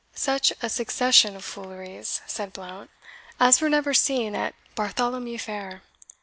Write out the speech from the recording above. "Such a succession of fooleries," said Blount, "as were never seen at Bartholomew fair.